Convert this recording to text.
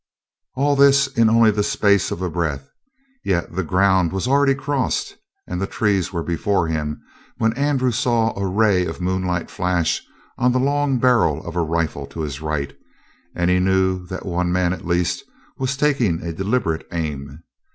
All this in only the space of a breath, yet the ground was already crossed and the trees were before him when Andrew saw a ray of moonlight flash on the long barrel of rifle to his right, and he knew that one man at least was taking a deliberate aim.